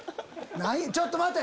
ちょっと待て！